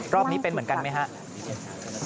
รอบนี้เป็นเหมือนกันไหมครับ